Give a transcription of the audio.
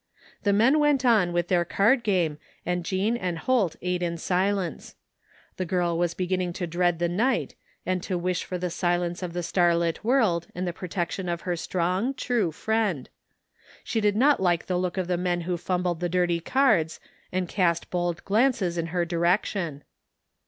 The men went on with their card game and Jean and Holt ate in silence. The girl was be ginning to dread the night and to wish for the silence of the starlit world and the protection of her strong, true friend. She did not like the look of the men who fumbled the dirty cards and cast bold glances in her direction.